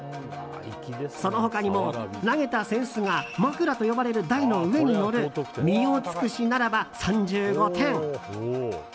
その他にも、投げた扇子が枕と呼ばれる台の上に乗る澪標ならば３５点。